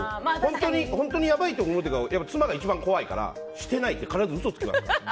本当にやばいって思ったら妻が一番怖いからしてないって必ず嘘つきますから。